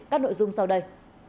các nội dung sau đây